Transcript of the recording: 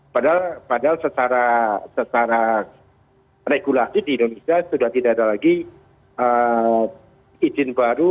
padahal secara regulasi di indonesia sudah tidak ada lagi izin baru